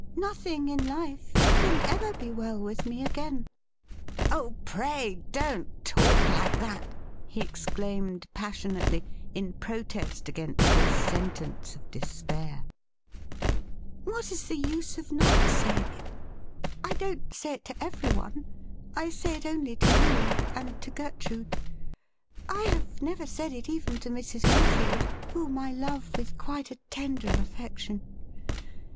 Nothing in life can ever be well with me again '' Oh, pray don't talk like that !' he exclaimed pas sionately, in protest against this sentence of despair. THE SWEET SORROW OF PARTING 123 I 'What is the use of not, saying it ? I don't say it to everyone. I say it only to you — and to Gertrude ; I have never said it even t6 Mrs. Morefield, whom I love with quite a tender affection.